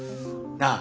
なあ？